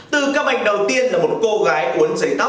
từ các mạch đầu tiên là một cô gái uống giấy tóc